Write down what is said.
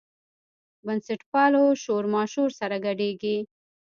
بنسټپالو شورماشور سره ګډېږي.